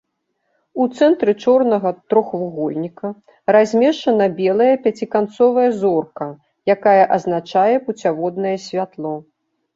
У цэнтры чорнага трохвугольніка размешчана белая пяціканцовая зорка, якая азначае пуцяводнае святло.